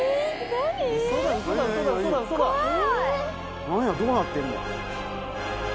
何やどうなってんの？